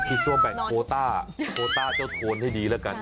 พี่สั่วแบ่งโคต้าเจ้าโทนให้ดีละกัน